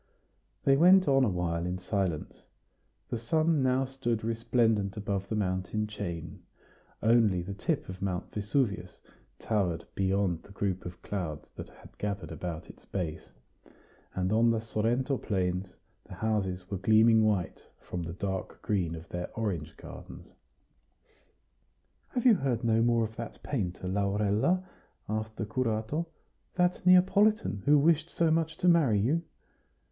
They went on a while in silence. The sun now stood resplendent above the mountain chain; only the tip of Mount Vesuvius towered beyond the group of clouds that had gathered about its base; and on the Sorrento plains the houses were gleaming white from the dark green of their orange gardens. "Have you heard no more of that painter, Laurella?" asked the curato "that Neapolitan, who wished so much to marry you?"